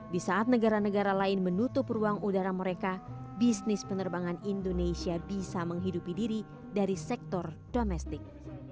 di saat negara negara lain menutup ruang udara mereka bisnis penerbangan indonesia bisa menghidupi diri dari sektor domestik